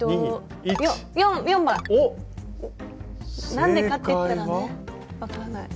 何でかって言ったらね分かんない。